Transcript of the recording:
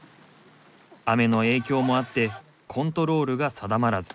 雨の影響もあってコントロールが定まらず。